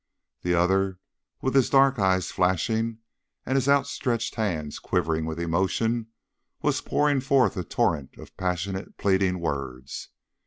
The other, with his dark eyes flashing, and his outstretched hands quivering with emotion, was pouring forth a torrent of passionate pleading words.